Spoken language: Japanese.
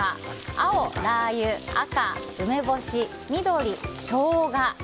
青、ラー油赤、梅干し緑、ショウガ。